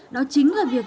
đó chính là việc